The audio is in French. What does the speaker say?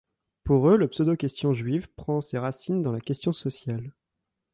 Pour eux, la pseudo-question juive prend ses racines dans la question sociale.